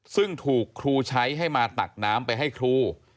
ซึ่งถูกครูใช้ให้มาตักน้ำไปให้ครู